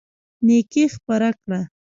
نيکي خپره کړه.